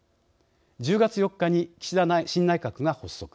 １０月４日に岸田新内閣が発足。